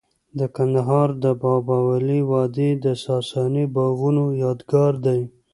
د کندهار د بابا ولی وادي د ساساني باغونو یادګار دی